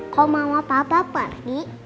kau mama papa pergi